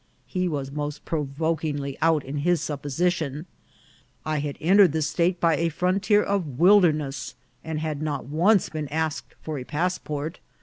He was most provokingly out in his supposition. I had entered the state by a frontier of wilderness, and had not once been asked for a passport.